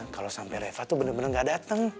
kalo sampe reva tuh bener bener gak dateng